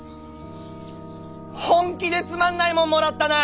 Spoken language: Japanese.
本気でつまんないもんもらったなァ！